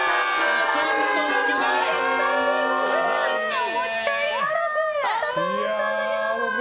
お持ち帰りならず。